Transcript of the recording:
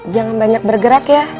jangan banyak bergerak ya